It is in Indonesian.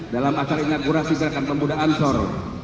dalam acara inaugurasi gerakan pemuda ansor